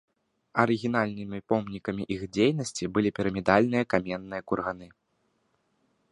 Арыгінальнымі помнікамі іх дзейнасці былі пірамідальныя каменныя курганы.